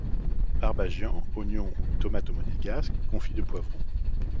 Barbagians, oignons ou tomates au monégasque, confit de poivrons.